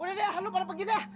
udah deh lo pada pergi dah